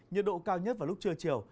nhiệt độ cao nhất vào lúc trưa chiều